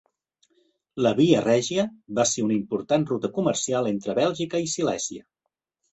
La Via Regia, va ser una important ruta comercial entre Bèlgica i Silèsia.